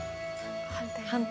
反対。